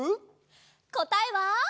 こたえは。